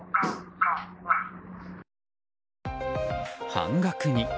半額に。